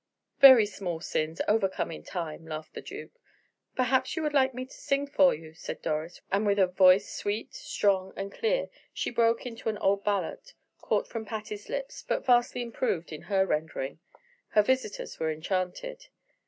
"Very small sins, overcome in time," laughed the duke. "Perhaps you would like me to sing for you," said Doris, and with a voice sweet, strong, and clear, she broke into an old ballad, caught from Patty's lips, but vastly improved in her rendering. Her visitors were enchanted.